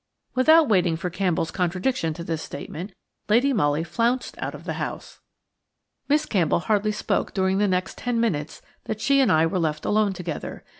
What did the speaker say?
Without waiting for Campbell's contradiction to this statement, Lady Molly flounced out of the house. Miss Campbell hardly spoke during the next ten minutes that she and I were left alone together.